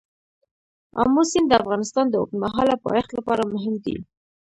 آمو سیند د افغانستان د اوږدمهاله پایښت لپاره مهم دی.